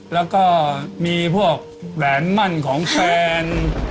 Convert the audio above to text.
แล้วก็มีพวกแหวนมั่นของแฟน